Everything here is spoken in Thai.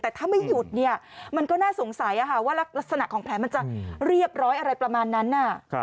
แต่ถ้าไม่หยุดเนี่ยมันก็น่าสงสัยว่ารักษณะของแผลมันจะเรียบร้อยอะไรประมาณนั้น